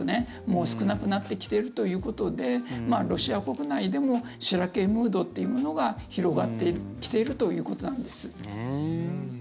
もう少なくなってきているということでロシア国内でもしらけムードというものが広がってきているということなんです。